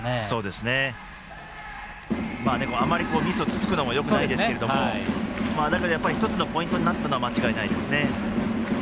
でも、あまりミスが続くのもよくないですけど一つのポイントになったのは間違いないですね。